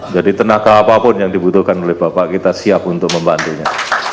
jadi tenaga apapun yang dibutuhkan oleh bapak kita siap untuk membantunya